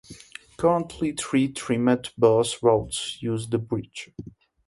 Currently, three TriMet bus routes use the bridge.